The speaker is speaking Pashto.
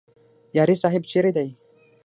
یاري صاحب چیرې دی؟